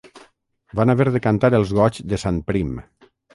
Van haver de cantar els goigs de Sant Prim